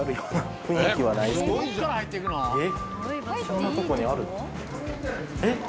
そんなとこにあるって。